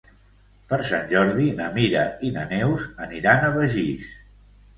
Per Sant Jordi na Mira i na Neus aniran a Begís.